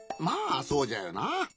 まあそうじゃよな。